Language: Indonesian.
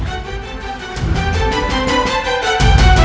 aku harus ke sana